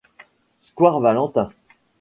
Square Valentin.